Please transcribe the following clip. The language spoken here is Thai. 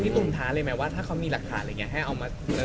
ตุ๋มท้าเลยไหมว่าถ้าเขามีหลักฐานอะไรอย่างนี้ให้เอามา